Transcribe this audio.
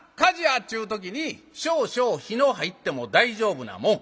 っちゅう時に少々火の入っても大丈夫なもん。